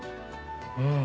うん！